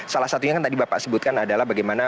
salah satunya kan tadi bapak sebutkan adalah bagaimana